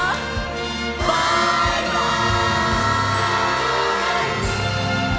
バイバイ！